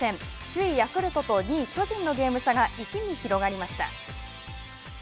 首位ヤクルトと２位巨人のゲーム差が１に広がりました。